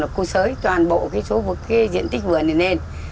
cô sới toàn bộ diện tích vườn này lên